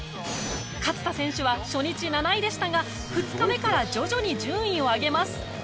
勝田選手は初日７位でしたが２日目から徐々に順位を上げます。